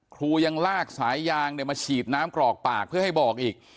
ครูยังลากสายยางมาฉีดน้ำกรอกปากเพื่อให้บอกอีก